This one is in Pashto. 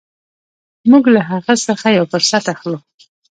موږ له هغه څخه یو فرصت اخلو.